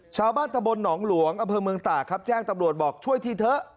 ชาวบ้านตะบลหนองหลวงอำเภอเมืองตากครับแจ้งตำรวจบอกช่วยทีเถอะ